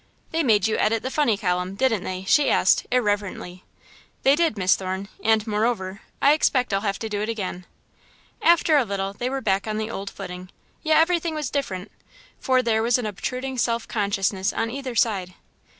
"They made you edit the funny column, didn't they?" she asked, irrelevantly. "They did, Miss Thorne, and, moreover, I expect I'll have to do it again." After a little, they were back on the old footing, yet everything was different, for there was an obtruding self consciousness on either side.